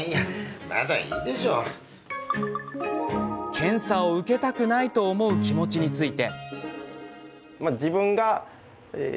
検査を受けたくないと思う気持ちについて。